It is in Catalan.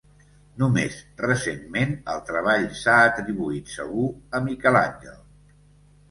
Només recentment, el treball s'ha atribuït segur, a Miquel Àngel.